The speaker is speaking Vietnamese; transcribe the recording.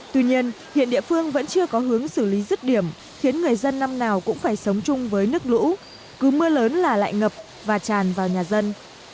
tuy nhiên hiện địa phương vẫn chưa có hướng xử lý rứt điểm khiến người dân năm nào cũng phải sống chung với nước lũ cứ mưa lớn là lại ngập và tràn vào nhà dân